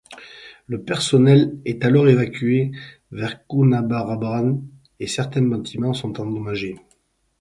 Le personnel est alors évacué vers Coonabarabran et certains bâtiments sont endommagés.